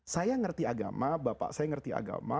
saya mengerti agama bapak saya mengerti agama